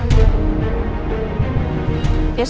tante sarah juga disana